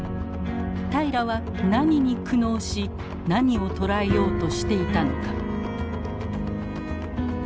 平良は何に苦悩し何をとらえようとしていたのか。